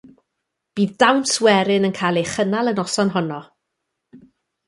Bydd dawns werin yn cael ei chynnal y noson honno.